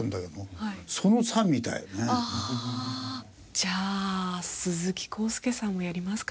じゃあ鈴木浩介さんもやりますか？